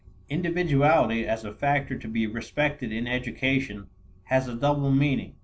Individuality as a factor to be respected in education has a double meaning.